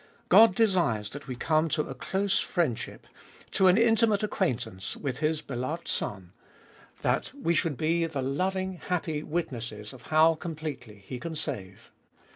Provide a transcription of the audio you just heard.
God desires that we come to a close friendship, to an intimate acquaintance, with His beloved Son, that we should be the loving, happy witnesses of how completely He can save.